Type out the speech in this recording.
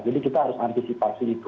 jadi kita harus antisipasi itu